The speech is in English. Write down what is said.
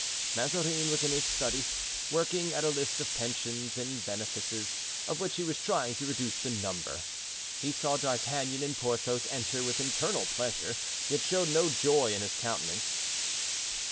Mazarin was in his study, working at a list of pensions and benefices, of which he was trying to reduce the number. He saw D'Artagnan and Porthos enter with internal pleasure, yet showed no joy in his countenance.